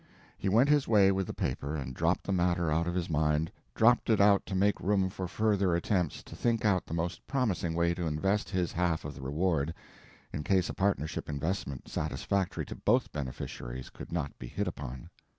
He went his way with the paper, and dropped the matter out of his mind dropped it out to make room for further attempts to think out the most promising way to invest his half of the reward, in case a partnership investment satisfactory to both beneficiaries could not be hit upon.